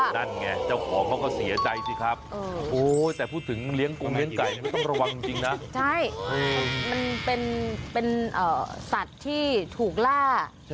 นั่นไงเจ้าของเขาก็เสียใจสิครับ